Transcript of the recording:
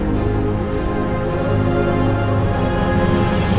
sejak picking timegreen iudo